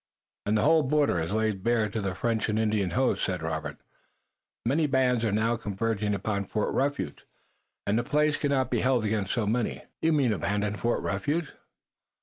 "And the whole border is laid bare to the French and Indian hosts," said Robert. "Many bands are converging now upon Fort Refuge, and the place cannot be held against so many." "You mean abandon Fort Refuge?"